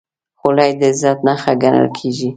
خولۍ د عزت نښه ګڼل کېږي.